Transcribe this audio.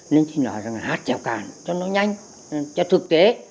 nên thì nói rằng là hát trèo cạn cho nó nhanh cho thực tế